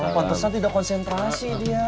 pantesan tidak konsentrasi dia